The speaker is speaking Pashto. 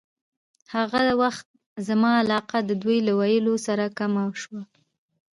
هغه وخت زما علاقه د دوی له ویلو سره کمه شوه.